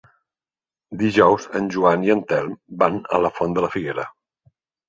Dijous en Joan i en Telm van a la Font de la Figuera.